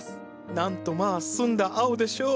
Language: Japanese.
なんとまあ澄んだ青でしょう。